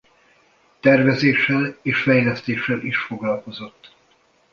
Tervezéssel és fejlesztéssel is foglalkozott.